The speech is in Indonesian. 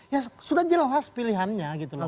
ya sudah jelas pilihannya gitu loh